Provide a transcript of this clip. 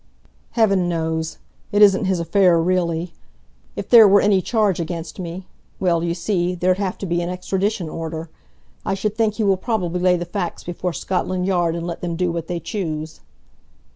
"Heaven knows! It isn't his affair, really. If there were any charge against me well, you see, there'd have to be an extradition order. I should think he will probably lay the facts before Scotland Yard and let them do what they choose."